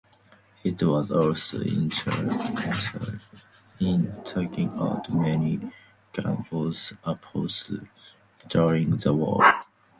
It was also instrumental in taking out many gunboats unopposed during the war.